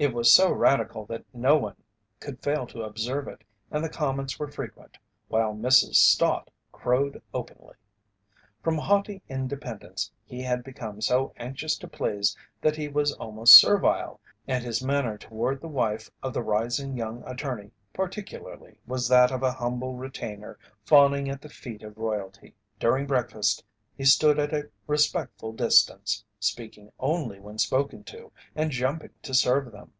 It was so radical that no one could fail to observe it and the comments were frequent, while Mrs. Stott crowed openly. From haughty independence he had become so anxious to please that he was almost servile, and his manner toward the wife of the rising young attorney particularly was that of a humble retainer fawning at the feet of royalty. During breakfast he stood at a respectful distance, speaking only when spoken to, and jumping to serve them.